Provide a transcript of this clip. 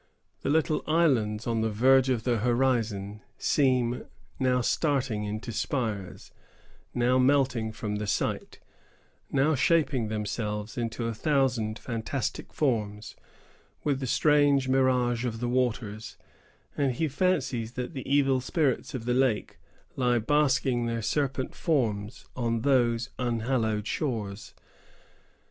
The little islands on the verge of the horizon seem now starting into spires, now melting from the sight, now shaping themselves into a thousand fantastic forms, with the strange mirage of the waters; and he fancies that the evil spirits of the lake lie basking their serpent forms on those unhallowed shores.